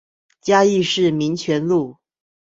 嘉義市民權路